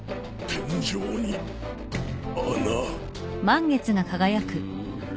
天井に穴。